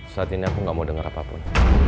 saat ini aku gak mau dengar apapun